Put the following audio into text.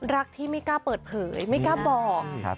รักที่ไม่กล้าเปิดเผยไม่กล้าบอก